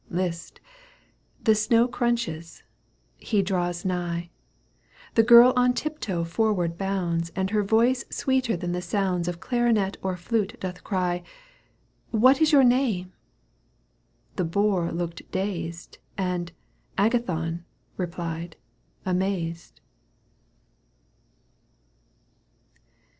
List ! the snow crunches — ^he draws nigh ! The girl on tiptoe forward bounds And her voice sweeter than the sounds Of clarinet or flute doth cry :" What is your name ?" The boor looked dazed, And " Agathon " replied, amazed.